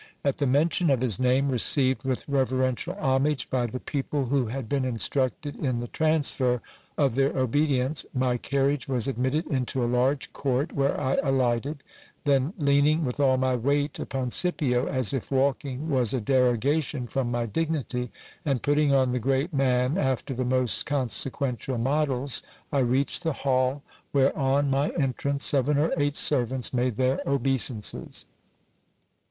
At the mention of this name, received with reverential homage by the people who had been instructed in the transfer of their obedience, my carriage was admitted into a large court, where I alighted ; then leaning with all my weight upon Scipio, as if walking was a derogation from my dignity, and putting on the great man after the most consequential models, I reached the hall, where, on my entrance, seven or eight servants made their obeisances.